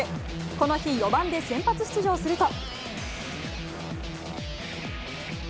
この日４番で先発出場すると。